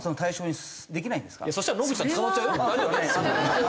そしたら野口さん捕まっちゃうよ。